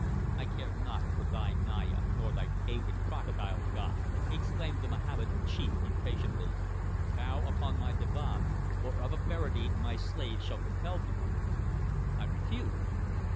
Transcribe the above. "I care nought for thy Naya nor thy pagan Crocodile god," exclaimed the Mohammedan chief impatiently. "Bow unto my divan, or of a verity my slaves shall compel thee." "I refuse."